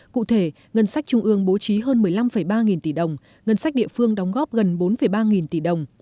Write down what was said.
cụ thể ngân sách trung ương bố trí hơn một mươi năm ba nghìn tỷ đồng ngân sách địa phương đóng góp gần bốn ba nghìn tỷ đồng